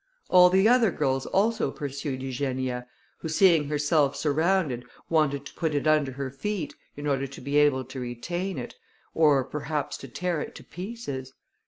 All the other girls also pursued Eugenia, who seeing herself surrounded, wanted to put it under her feet, in order to be able to retain it, or perhaps to tear it to pieces.